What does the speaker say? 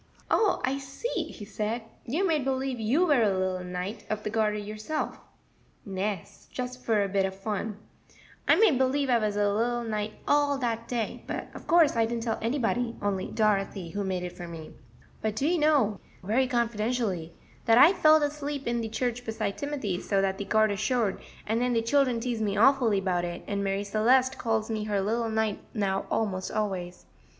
"Oh, I see," he said; "you made believe you were a little Knight of the Garter yourself." "Nes; just for a bit of fun, I made believe I was a little knight all dat day; but of course I didn't tell anybody, only Dorothy, who made it for me. But do you know," very confidentially, "dat I felled asleep in de church beside Timothy, so dat de garter showed, and den de children teased me awfully 'bout it, and Marie Celeste calls me her little knight now almost always.